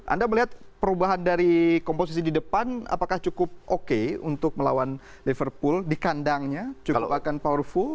anda melihat perubahan dari komposisi di depan apakah cukup oke untuk melawan liverpool di kandangnya akan powerful